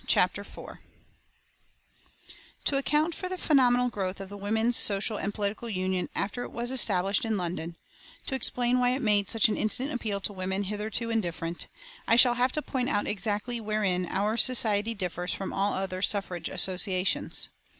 CHAPTER IV To account for the phenomenal growth of the Women's Social and Political Union after it was established in London, to explain why it made such an instant appeal to women hitherto indifferent, I shall have to point out exactly wherein our society differs from all other suffrage associations.